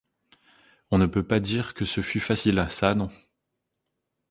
On ne peut pas dire que ce fut facile, ça non !